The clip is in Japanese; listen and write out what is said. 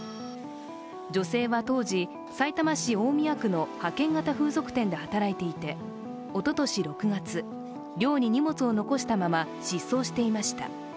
女性は当時、さいたま市大宮区の派遣型風俗店で働いていておととし６月、寮に荷物を残したまま失踪していました。